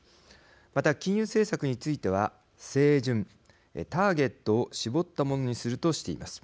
また金融政策については精準、ターゲットを絞ったものにするとしています。